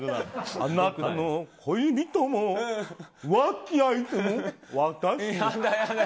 あなたの恋人も浮気相手も私に。